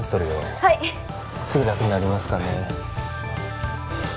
はいすぐ楽になりますからね